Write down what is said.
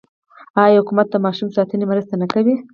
آیا حکومت د ماشوم ساتنې مرسته نه کوي؟